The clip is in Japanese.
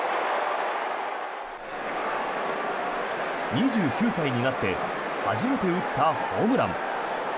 ２９歳になって初めて打ったホームラン。